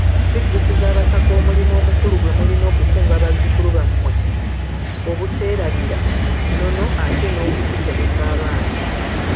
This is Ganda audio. Tujjukiza Abataka omulimu omukulu gwe mulina okukunga bazzukulu bammwe obuteerabira nnono ate n'okugisomesa abaana.